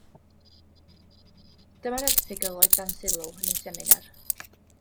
Dyma'r erthygl oedd dan sylw yn y seminar.